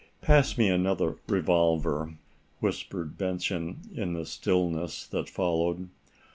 "Pass me another revolver," whispered Benson, in the stillness that followed.